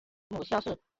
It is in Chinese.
母萧氏。